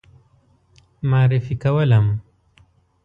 معرفي کولم.